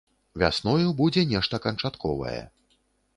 Вясною будзе нешта канчатковае.